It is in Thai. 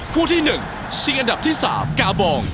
คู่ที่๑ชิงอันดับที่๓กาบอง